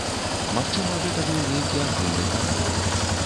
Магчыма гэта быў нейкі агульны канал.